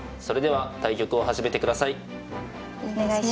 それでは対局を始めてください。